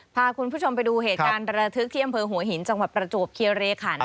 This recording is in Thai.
พาคุณผู้ชมไปดูเหตุการณ์ระทึกที่อำเภอหัวหินจังหวัดประจวบเคียเรขัน